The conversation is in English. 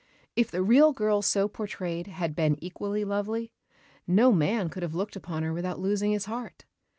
If the real girl so portrayed had been equally lovely, no man could have looked upon her without losing his heart.